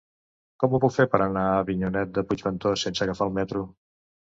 Com ho puc fer per anar a Avinyonet de Puigventós sense agafar el metro?